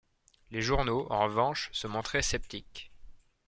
Les journaux, en revanche, se montraient sceptiques.